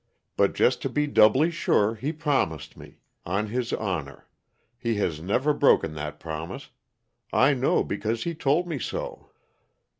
But, just to be doubly sure, he promised me, on his honor. He has never broken that promise; I know, because he told me so."